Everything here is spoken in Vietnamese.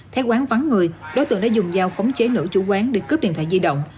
theo quán vắng người đối tượng đã dùng dao khống chế nữ chủ quán để cướp điện thoại di động